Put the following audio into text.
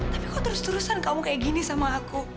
tapi kok terus terusan kamu kayak gini sama aku